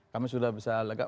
kami sudah bisa lega